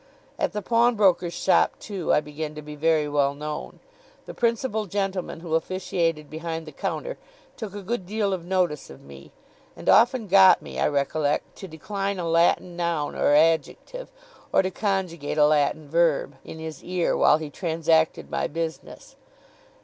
At the pawnbroker's shop, too, I began to be very well known. The principal gentleman who officiated behind the counter, took a good deal of notice of me; and often got me, I recollect, to decline a Latin noun or adjective, or to conjugate a Latin verb, in his ear, while he transacted my business.